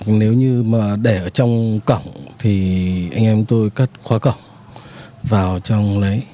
nếu như mà để ở trong cổng thì anh em tôi cắt khóa cổng vào trong đấy